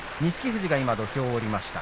富士が土俵を下りました。